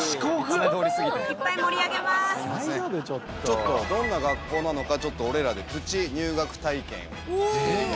ちょっとどんな学校なのかちょっと俺らでプチ入学体験をしていきたいなと。